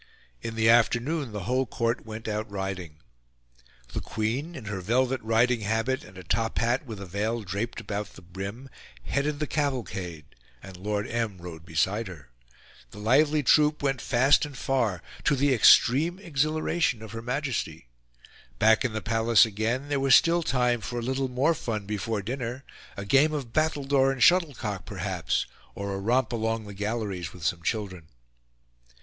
In the afternoon the whole Court went out riding. The Queen, in her velvet riding habit and a top hat with a veil draped about the brim, headed the cavalcade; and Lord M. rode beside her. The lively troupe went fast and far, to the extreme exhilaration of Her Majesty. Back in the Palace again, there was still time for a little more fun before dinner a game of battledore and shuttlecock perhaps, or a romp along the galleries with some children.